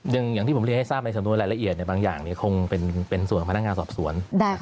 อย่างที่ผมเรียนให้ทราบในสำนวนรายละเอียดในบางอย่างคงเป็นส่วนพนักงานสอบสวน